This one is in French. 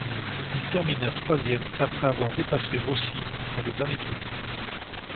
Il termina troisième après avoir dépassé Rossi dans le dernier tour.